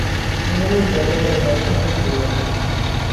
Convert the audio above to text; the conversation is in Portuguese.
Um homem pobre é melhor que um mentiroso.